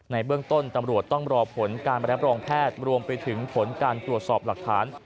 ในเบื้องต้นตำรวจต้องรอผลการมารับรองแพทย์รวมไปถึงผลการตรวจสอบหลักฐาน